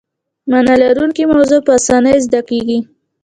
معنی لرونکې موضوع په اسانۍ زده کیږي.